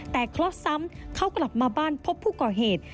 แต่เคราะห์ซ้ำเขากลับมาบ้านพบผู้ก่อเหตุ